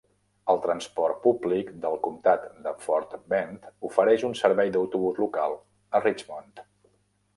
El transport públic del comtat de Fort Bend ofereix un servei d'autobús local a Richmond.